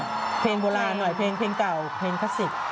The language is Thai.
สังสัปดาห์นอรานหน่อยเพลงเก่าเพลงคาซิก